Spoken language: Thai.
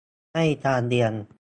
ให้การเรียน